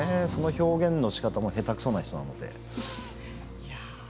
表現のしかたも下手くそな人なので。